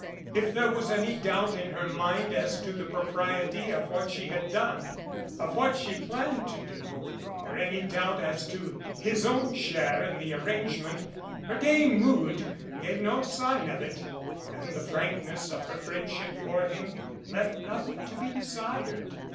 If there was any doubt in her mind as to the propriety of what she had done of what she planned to do, or any doubt as to his own share in the arrangement, her gay mood gave no sign of it, and the frankness of h3r friendship for him left nothing to be desired.